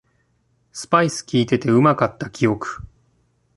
スパイスきいててうまかった記憶